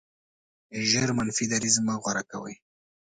ژر منفي دریځ مه غوره کوئ.